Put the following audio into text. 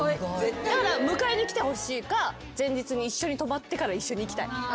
だから迎えに来てほしいか前日に一緒に泊まってから一緒に行きたい。